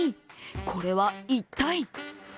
これは一体？